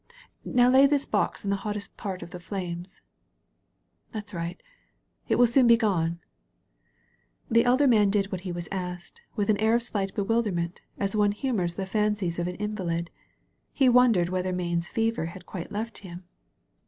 Now lay this box in the hottest part of the flames. That's right. It will soon be gone." The elder man did what was asked, with an air of slight bewilderment, as one humors the fancies of an invalid. He wondered whether Mayne's fever had quite left him.